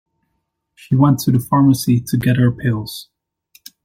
She went to the pharmacy to get her pills.